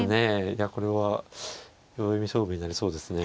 いやこれは秒読み勝負になりそうですね。